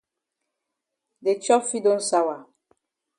De chop fit don sawa.